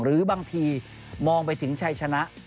หรือบางทีมองไปถึงชัยชนะ